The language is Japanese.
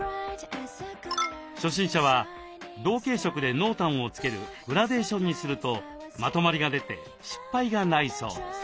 初心者は同系色で濃淡をつけるグラデーションにするとまとまりが出て失敗がないそうです。